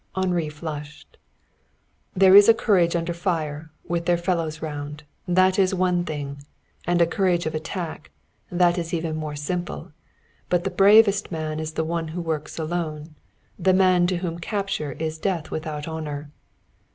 Henri flushed. "There is a courage under fire, with their fellows round that is one thing. And a courage of attack that is even more simple. But the bravest man is the one who works alone the man to whom capture is death without honor."